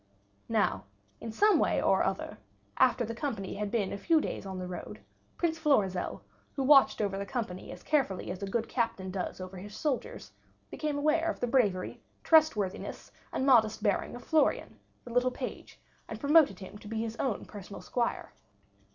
Now in some way or other, after the company had been a few days on the road, Prince Florizel, who watched over the company as carefully as a good captain does over his soldiers, became aware of the bravery, trustworthiness, and modest bearing of Florian, the little page, and promoted him to be his own personal squire.